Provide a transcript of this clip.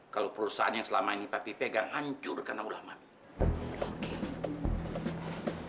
kalau perusahaan yang selama ini papi pegang hancur karena udah mati